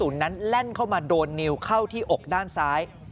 นั้นแล่นเข้ามาโดนนิวเข้าที่อกด้านซ้าย